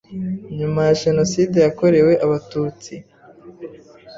Nyuma ya Jenoside yakorewe Abatutsi